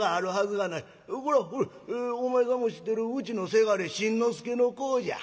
これはほれお前さんも知ってるうちの倅新之助の子じゃ。